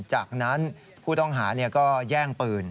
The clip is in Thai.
จากนั้นผู้ต้องหาก็แย่งปืน